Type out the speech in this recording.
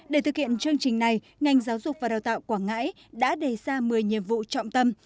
để thực hiện chương trình này ngành giáo dục và đào tạo quảng ngãi đã đề ra một mươi nhiệm vụ trọng tâm